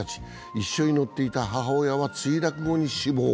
一緒に乗っていた母親は墜落後に死亡。